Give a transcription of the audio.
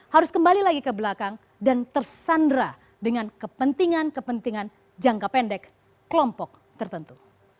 harus kembali lagi ke belakang dan tersandra dengan kepentingan kepentingan jangka pendek kelompok tertentu